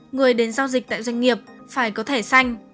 người đến giao dịch tại doanh nghiệp phải có thẻ xanh